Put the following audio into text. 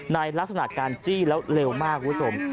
ลักษณะการจี้แล้วเร็วมากคุณผู้ชม